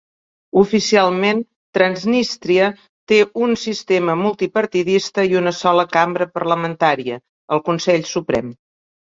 Oficialment, Transnístria té un sistema multipartidista i una sola cambra parlamentària, el Consell Suprem.